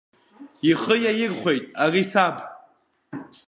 Ихы иаирхәеит ари саб.